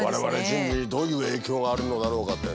「我々人類にどういう影響があるのだろうか」